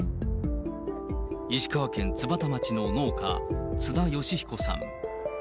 石川県津幡町の農家、津田よしひこさん。